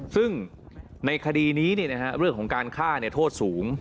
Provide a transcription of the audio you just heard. ซึ่งในคดีนี้เรื่องของการฆ่าโทษสูง